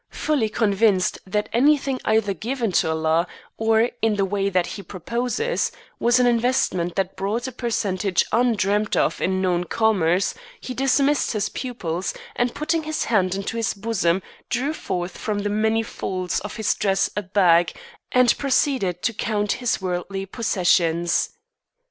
Fully convinced that anything either given to Allah, or in the way that He proposes, was an investment that brought a percentage undreamed of in known commerce, he dismissed his pupils, and putting his hand into his bosom drew forth from the many folds of his dress a bag, and proceeded to count his worldly possessions.